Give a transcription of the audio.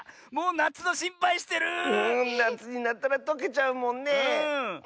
なつになったらとけちゃうもんねえ。